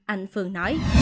anh phương nói